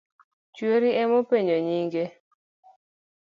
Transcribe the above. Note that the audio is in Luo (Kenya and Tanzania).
Chuori emopenjo nyinge.